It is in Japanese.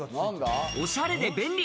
おしゃれで便利！